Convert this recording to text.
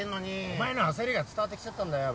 お前の焦りが伝わってきちゃったんだよ